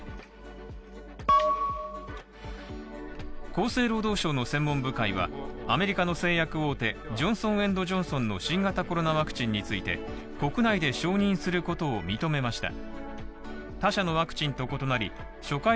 厚生労働省の専門部会はアメリカの製薬大手ジョンソン・エンド・ジョンソンの新型コロナワクチンについて、国内で承認することを認めました。